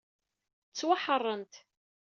Ttwaḥeṛṛent.